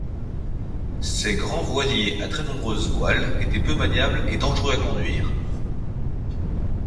Ces grand voiliers à très nombreuses voiles étaient peu maniables et dangereux à conduire.